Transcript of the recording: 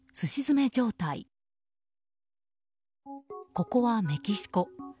ここはメキシコ。